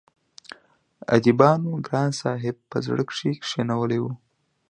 اديبانو ګران صاحب په زړه کښې کښينولی وو